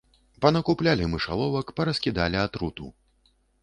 Панакуплялі мышаловак, параскідалі атруту.